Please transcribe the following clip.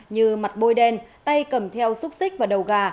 như mặt bôi đen tay cầm theo xúc xích và đầu gà